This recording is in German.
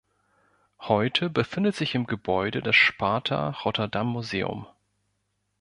Heute befindet sich im Gebäude das Sparta Rotterdam-Museum.